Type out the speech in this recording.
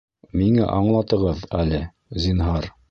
Миңә аңлатығыҙ әле, зинһар